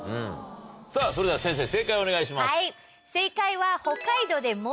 さぁそれでは先生正解をお願いします。